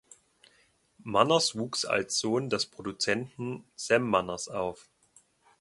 Manners wuchs als Sohn des Produzenten Sam Manners auf.